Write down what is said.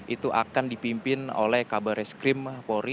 itu akan dipimpin oleh kabare skrim polri